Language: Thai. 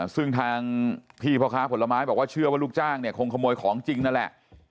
ซึ่งทางพี่พ่อค้าผลไม้บอกว่าเชื่อว่าลูกจ้างเนี่ยคงขโมยของจริงนั่นแหละ